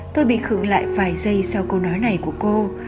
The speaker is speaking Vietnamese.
tôi bị khừng lại vài giây sau câu nói này của cô